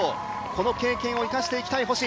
この経験を生かしていきたい星。